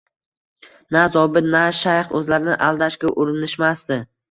Na zobit, na shayx o`zlarini aldashga urinishmasdi